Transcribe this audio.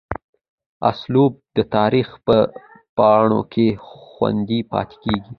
اسلوب دَ تاريخ پۀ پاڼو کښې خوندي پاتې کيږي